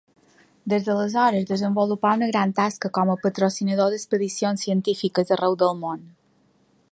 Des d'aleshores desenvolupà una gran tasca com a patrocinador d'expedicions científiques arreu del món.